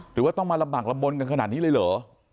หรือว่าต้องมาลำบากลำบลกันขนาดนี้เลยเหรอ